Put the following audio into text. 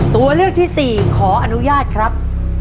ตัวเลือกที่สี่ขออนุญาตครับ